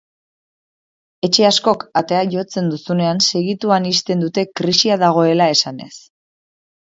Etxe askok, atea jotzen duzunean segituan ixten dute krisia dagoela esanez.